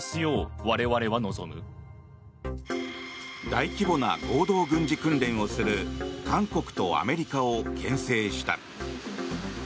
大規模な合同軍事訓練をする韓国とアメリカをけん制した。